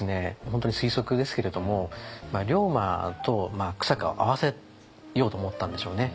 本当に推測ですけれども龍馬と久坂を会わせようと思ったんでしょうね。